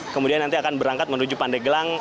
kemudian nanti akan berangkat menuju pandeglang